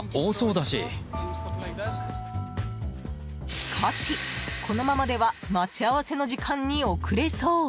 しかし、このままでは待ち合わせの時間に遅れそう。